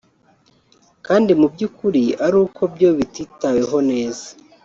kandi mu by’ukuri ari uko byo bititaweho neza